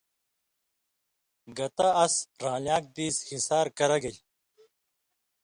گتہ اس رالیان٘ک دیس ہِسار کرہ گل!“۔